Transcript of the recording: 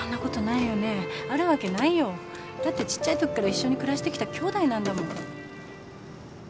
だってちっちゃいときから一緒に暮らしてきたきょうだいなんだもん。